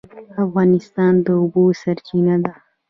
افغانستان د اوبو سرچینه ده